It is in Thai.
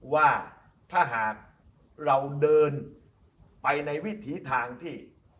ว่าถ้าหากเราเดินไปในวิถีทางที่